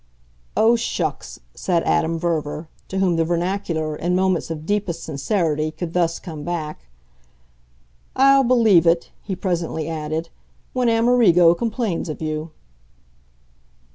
"Oh shucks!" said Adam Verver, to whom the vernacular, in moments of deepest sincerity, could thus come back. "I'll believe it," he presently added, "when Amerigo complains of you."